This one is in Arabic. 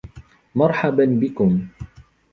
مرحبا بكم